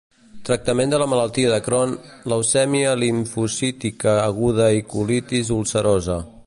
Tractament de la malaltia de Crohn, leucèmia limfocítica aguda i colitis ulcerosa.